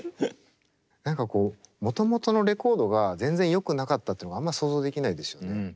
何かこうもともとのレコードが全然よくなかったというのがあんま想像できないですよね。